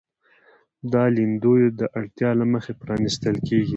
دا لیندیو د اړتیا له مخې پرانیستل کېږي.